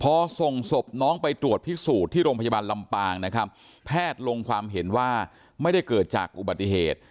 พอส่งศพน้องไปตรวจพิสูจน์ที่โรงพยาบาลลำปางนะครับแพทย์ลงความเห็นว่าไม่ได้เกิดจากอุบัติเหตุ